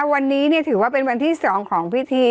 วันนี้ถือว่าเป็นวันที่๒ของพิธี